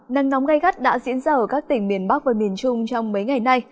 nắng nóng gai gắt đã diễn ra ở các tỉnh miền bắc và miền trung trong mấy ngày nay